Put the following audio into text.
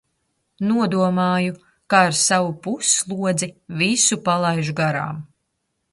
Nodomāju, ka ar savu pusslodzi visu palaižu garām.